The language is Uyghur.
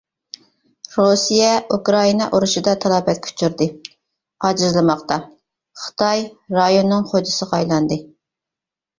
رۇسىيە ئۇكرائىنا ئۇرۇشىدا تالاپەتكە ئۇچرىدى، ئاجىزلىماقتا، خىتاي رايوننىڭ خوجىسىغا ئايلاندى.